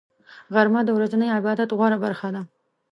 غرمه د ورځني عبادت غوره برخه ده